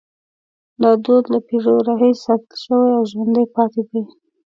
دا دود له پیړیو راهیسې ساتل شوی او ژوندی پاتې دی.